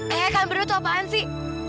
eh kalian berdua tuh apaan sih